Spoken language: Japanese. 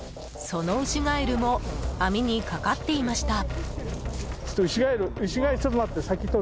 そのウシガエルも網にかかっていました。